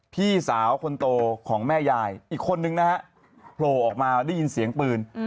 พี่สาวคนโตของแม่ยายอีกคนนึงนะฮะโผล่ออกมาได้ยินเสียงปืน